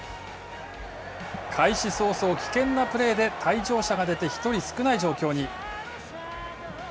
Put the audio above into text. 開始早々危険なプレーで退場者が出て１人少ない状況に。